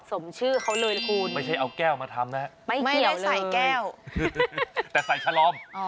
สมชื่อเขาเลยคุณไม่ใช่เอาแก้วมาทำนะฮะไม่เกี่ยวใส่แก้วแต่ใส่ชะลอม